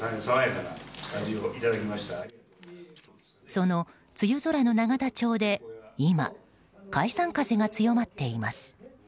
その梅雨空の永田町で今解散風が強まっています。